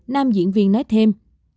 nam diễn viên nói thêm